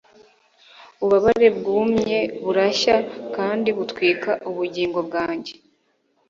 ububabare bwumye burashya kandi butwika ubugingo bwanjye